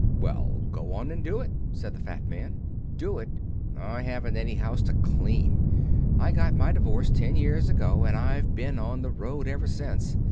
"Well, go on and do it," said the fat man. "Do it? I haven't any house to clean. I got my divorce ten years ago, and I've been on the road ever since.